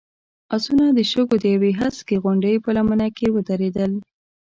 آسونه د شګو د يوې هسکې غونډۍ په لمنه کې ودرېدل.